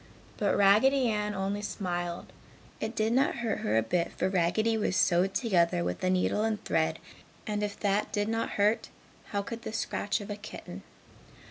But Raggedy Ann only smiled it did not hurt her a bit for Raggedy was sewed together with a needle and thread and if that did not hurt, how could the scratch of a kitten?